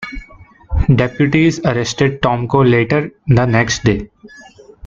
Deputies arrested Tomko later the next day.